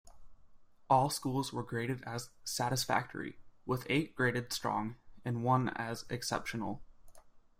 All schools were graded as "satisfactory", with eight graded "strong" and one as "exceptional".